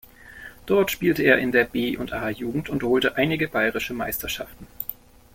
Dort spielte er in der B- und A-Jugend und holte einige Bayerische Meisterschaften.